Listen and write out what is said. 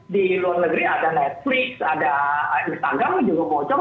di luar negeri ada netflix ada instagram juga pocong